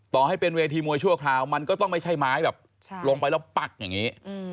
ต่อให้เป็นเวทีมวยชั่วคราวมันก็ต้องไม่ใช่ไม้แบบลงไปแล้วปักอย่างนี้